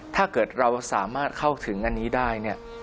ถ้าเกิดเราสามารถเข้าถึงอันนี้ได้เนี่ย